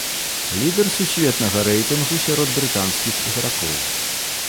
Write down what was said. Лідар сусветнага рэйтынгу сярод брытанскіх ігракоў.